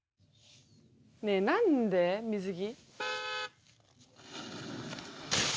ねえ、なんで水着？